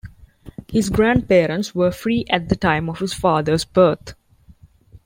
His grandparents were free at the time of his father's birth.